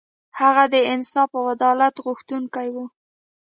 هغه د انصاف او عدالت غوښتونکی و.